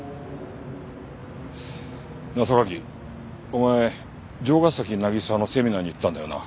お前城ヶ崎渚のセミナーに行ったんだよな？